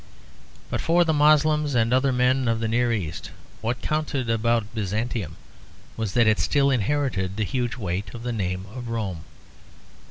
But for the Moslems and other men of the Near East what counted about Byzantium was that it still inherited the huge weight of the name of Rome.